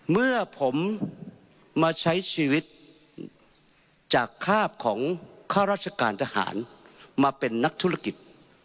เมื่อผมมาใช้ชีวิตจากคาบของข้าราชการทหารมาเป็นนักธุรกิจ